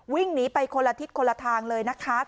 วิ่งหนีไปคนละทิศคนละทางเลยนะคะ